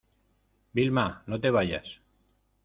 Vilma, no te vayas.